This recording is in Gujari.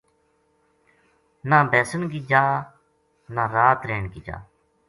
نہ بیسن کی جا نہ رات رہن کی جا